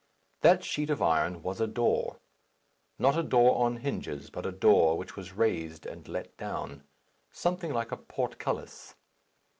That sheet of iron was a door. Not a door on hinges, but a door which was raised and let down. Something like a portcullis.